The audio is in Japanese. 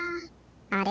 あれ？